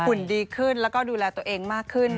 ดีขึ้นแล้วก็ดูแลตัวเองมากขึ้น